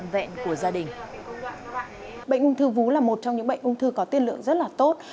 bệnh ung thư vú là một trong những bệnh ung thư có tiên lượng rất là tốt